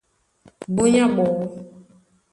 Búnyá ɓɔɔ́,